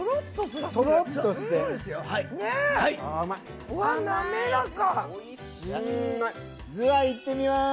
ずわい行ってみます！